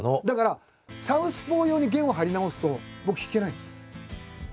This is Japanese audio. だからサウスポー用に弦を張り直すと僕弾けないんですよ。